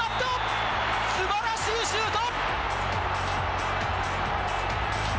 すばらしいシュート！